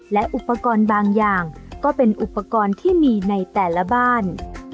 และอุปกรณ์บางอย่างก็เป็นอุปกรณ์ที่มีในแต่ละบ้าน